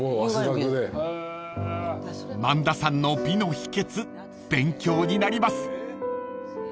［萬田さんの美の秘訣勉強になります］